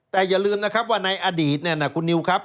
แต่อย่าลืมนะครับว่าในอดีตเนี่ยนะคุณนิวครับ